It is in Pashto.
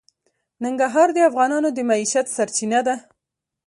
ننګرهار د افغانانو د معیشت سرچینه ده.